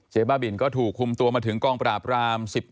บ้าบินก็ถูกคุมตัวมาถึงกองปราบราม๑๗